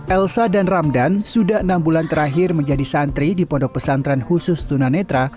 elsa dan ramdan sudah enam bulan terakhir menjadi santri di pondok pesantren khusus tunanetra